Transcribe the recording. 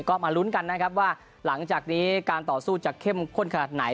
ก็มาลุ้นกันนะครับว่าหลังจากนี้การต่อสู้จะเข้มข้นขนาดไหน